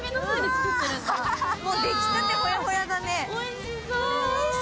もう出来たてほやほやだね。